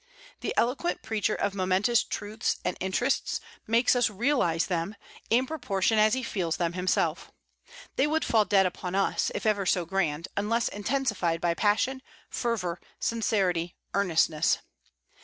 The eloquent preacher of momentous truths and interests makes us realize them, in proportion as he feels them himself. They would fall dead upon us, if ever so grand, unless intensified by passion, fervor, sincerity, earnestness.